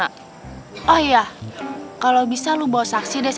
aku belum siap mas